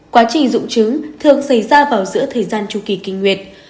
quá trình dụng chứng thường xảy ra vào giữa thời gian chu kỳ kinh nguyệt